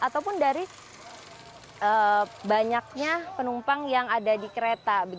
ataupun dari banyaknya penumpang yang ada di kereta